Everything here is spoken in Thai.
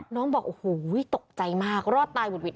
บอกโอ้โหตกใจมากรอดตายหุดหิด